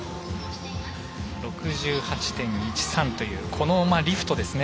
６８．１３というこのリフトですね。